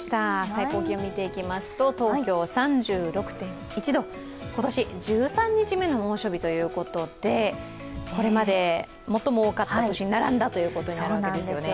最高気温を見ていきますと東京３６．１度、今年１３日目の猛暑日ということで、これまで、最も多かった年に並んだということですね。